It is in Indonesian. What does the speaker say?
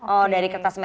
oh dari kertas semen